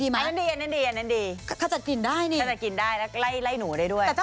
ไม่ใช่ที่ใส่หออะ